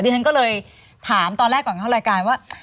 ฉันก็เลยถามตอนแรกก่อนเข้ารายการว่า